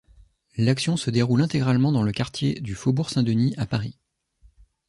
L'action se déroule intégralement dans le quartier du Faubourg Saint-Denis à Paris.